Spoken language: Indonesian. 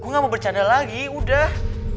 gue gak mau bercanda lagi udah